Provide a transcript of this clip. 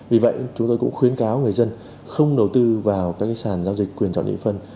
vì vậy chúng tôi cũng khuyến cáo người dân không đầu tư vào các sàn giao dịch quyền chọn địa phân